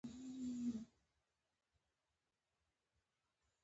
خلاق تخریب نه رامنځته کوي.